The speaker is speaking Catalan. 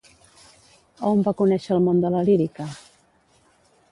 A on va conèixer el món de la lírica?